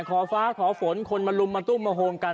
ขอฟ้าขอฝนคนมาลุมมาตุ้มมาโฮมกัน